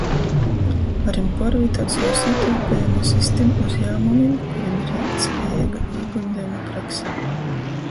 Varim puorvītuot sovus ītaupejumus iz tim uzjāmumim, kurim ir ilgtspiejeiga īguļdejumu prakse.